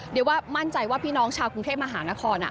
เรียกว่ามั่นใจว่าพี่น้องชาวกรุงเทพมหานคร